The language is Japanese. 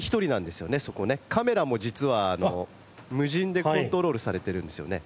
カメラも実は無人でコントロールされてるんですよね。